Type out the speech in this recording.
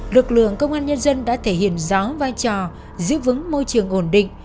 lực lượng công an nhân dân đã thể hiện giáo vai trò giúp vững môi trường ổn định